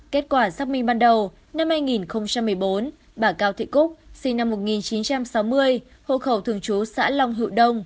kết quả xác minh ban đầu năm hai nghìn một mươi bốn bà cao thị cúc sinh năm một nghìn chín trăm sáu mươi hộ khẩu thường trú xã long hữu đông